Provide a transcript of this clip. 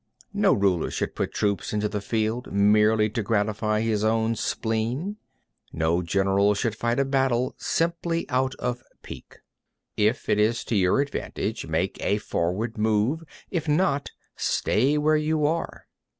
18. No ruler should put troops into the field merely to gratify his own spleen; no general should fight a battle simply out of pique. 19. If it is to your advantage, make a forward move; if not, stay where you are.